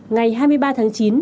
ngày hai mươi ba tháng chín